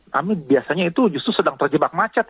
kami biasanya itu justru sedang terjebak macet